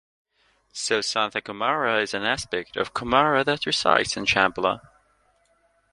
So Sanath Kumara is an aspect of Kumara that resides in Shamballa.